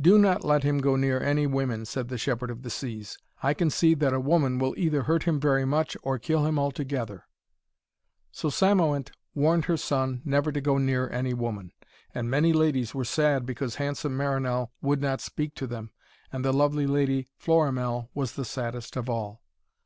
'Do not let him go near any women,' said the Shepherd of the Seas. 'I can see that a woman will either hurt him very much, or kill him altogether.' So Cymoënt warned her son never to go near any woman. And many ladies were sad because handsome Marinell would not speak to them, and the lovely lady Florimell was the saddest of all.